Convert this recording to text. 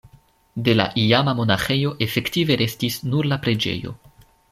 De la iama monaĥejo efektive restis nur la preĝejo.